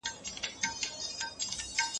د الله تعالی د حدودو احترام کول فرض دي.